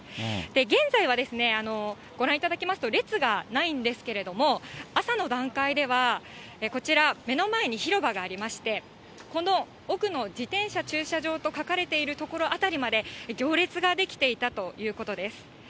現在は、ご覧いただきますと、列がないんですけれども、朝の段階では、こちら、目の前に広場がありまして、この奥の自転車駐車場と書かれている所辺りまで、行列が出来ていたということです。